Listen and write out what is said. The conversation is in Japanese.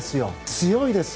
強いです。